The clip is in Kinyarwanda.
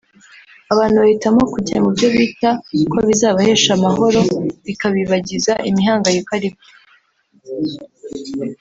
abantu bahitamo kujya mu byo bita ko bibahesha amahoro bikabibagiza imihangayiko aribyo